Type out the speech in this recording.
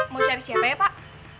mau cari siapa ya pak